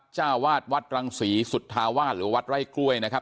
เจ้าวาดวัดรังศรีสุธาวาสหรือวัดไร่กล้วยนะครับ